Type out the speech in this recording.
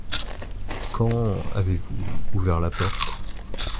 Quand avez-vous ouvert la porte ?